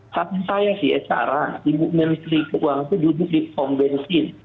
siapa sih ecaara timbuk menteri keuang itu duduk di pom bensin